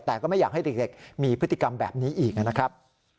แต่ก็ไม่อยากให้เด็กมีพฤติกรรมแบบนี้อีกนะครับ